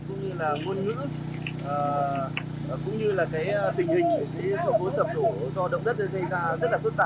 cũng như là ngôn ngữ cũng như là cái tình hình của cái sổ bố sập đổ do động đất gây ra rất là phức tạp